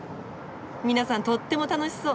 皆さんとっても楽しそう！